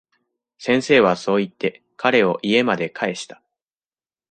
先生はそう言って、彼を家まで帰した。